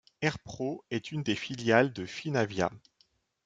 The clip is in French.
Airpro est une des filiales de Finavia.